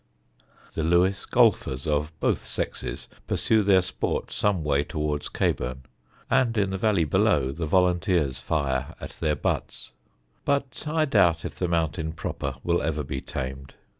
The Lewes golfers, of both sexes, pursue their sport some way towards Caburn, and in the valley below the volunteers fire at their butts; but I doubt if the mountain proper will ever be tamed.